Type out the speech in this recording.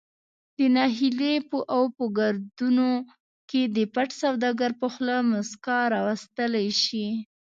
د نهیلي او په گردونو کی د پټ سوداگر په خوله مسکا راوستلې شي